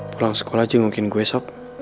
pulang sekolah aja ngungkin gua esok